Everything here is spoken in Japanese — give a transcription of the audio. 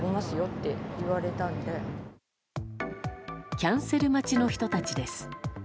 キャンセル待ちの人たちです。